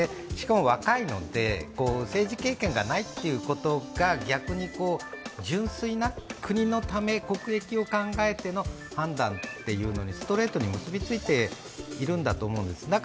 しかも若いので、政治経験がないことが逆に純粋な国のため、国益を考えての判断というのにストレートに結びついているんだと思います。